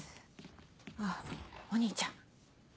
あぁお兄ちゃん。